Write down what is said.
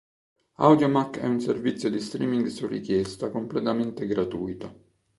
Audiomack è un servizio di streaming su richiesta completamente gratuito.